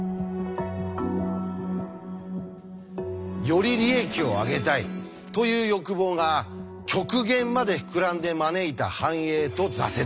より利益をあげたいという欲望が極限まで膨らんで招いた繁栄と挫折。